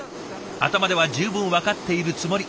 頭では十分分かっているつもり。